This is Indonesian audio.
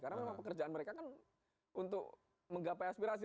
karena memang pekerjaan mereka kan untuk menggapai aspirasi